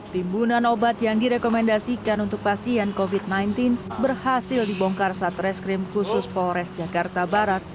timbunan obat yang direkomendasikan untuk pasien covid sembilan belas berhasil dibongkar satreskrim khusus polres jakarta barat